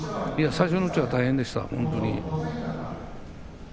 最初のうちは大変でした本当に。